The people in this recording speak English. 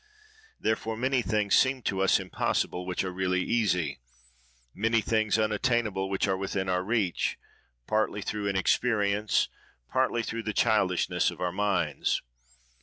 Therefore many things seem to us impossible which are really easy, many things unattainable which are within our reach; partly through inexperience, partly through the childishness of our minds.